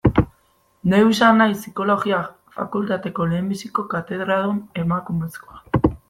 Neu izan naiz Psikologia fakultateko lehenbiziko katedradun emakumezkoa.